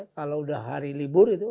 kalau udah hari libur itu